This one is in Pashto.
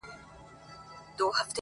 د دروازې له ښورېدو سره سړه سي خونه-